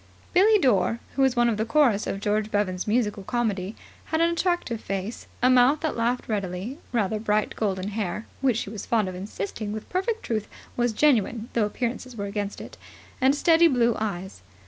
Billie Dore, who was one of the chorus of George Bevan's musical comedy, had an attractive face, a mouth that laughed readily, rather bright golden hair (which, she was fond of insisting with perfect truth, was genuine though appearances were against it), and steady blue eyes.